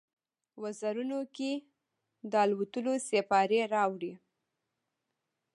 وزرونو کې، د الوتلو سیپارې راوړي